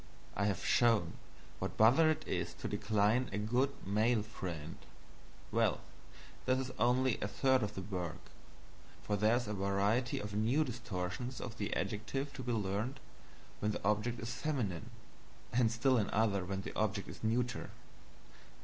I have shown what a bother it is to decline a good (male) friend; well this is only a third of the work, for there is a variety of new distortions of the adjective to be learned when the object is feminine, and still another when the object is neuter.